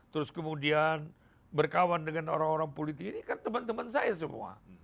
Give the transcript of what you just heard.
terus kemudian berkawan dengan orang orang politik ini kan teman teman saya semua